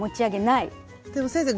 でも先生